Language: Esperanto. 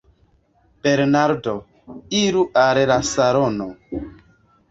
Bernardo: Iru al la salono.